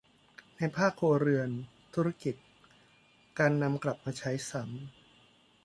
ในภาคครัวเรือน ธุรกิจ การนำกลับมาใช้ซ้ำ